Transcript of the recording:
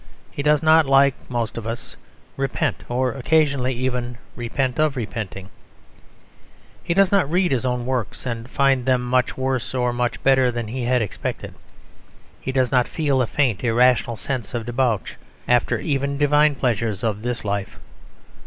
He does not, like most of us, repent or occasionally even repent of repenting. He does not read his own works and find them much worse or much better than he had expected. He does not feel a faint irrational sense of debauch, after even divine pleasures of this life.